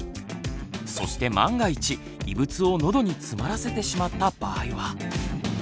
そして万が一異物をのどに詰まらせてしまった場合は。